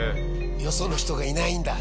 よその人がいないんだ。